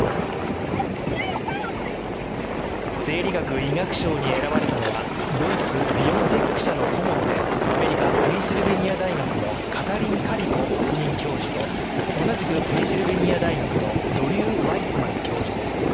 生理学・医学賞に選ばれたのはドイツ・ビオンテック社の顧問でアメリカ・ペンシルベニア大学のカタリン・カリコ特任教授と同じくペンシルベニア大学のドリュー・ワイスマン教授です。